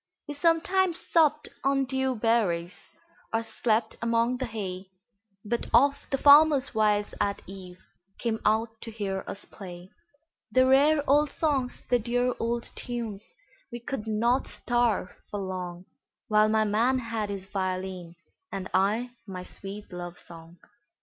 We sometimes supped on dew berries, Or slept among the hay, But oft the farmers' wives at eveCame out to hear us play; The rare old songs, the dear old tunes,—We could not starve for longWhile my man had his violin, And I my sweet love song.